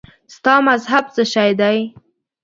ستا مذهب څه شی دی؟